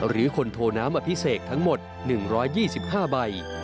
หรือคนโทน้ำอภิเษกทั้งหมด๑๒๕ใบ